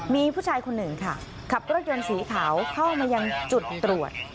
มีผู้ชายคนหนึ่งค่ะขับรถยนต์สีขาวเข้ามายังจุดตรวจ